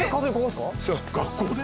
学校で！？